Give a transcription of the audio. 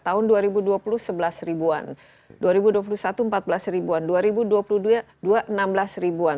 tahun dua ribu dua puluh sebelas ribuan dua ribu dua puluh satu empat belas ribuan dua ribu dua puluh dua enam belas ribuan